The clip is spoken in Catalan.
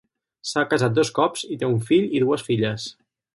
S'ha casat dos cops i té un fill i dues filles.